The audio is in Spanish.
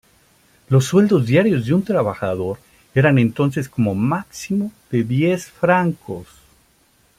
Los sueldos diarios de un trabajador eran entonces como máximo de diez francos!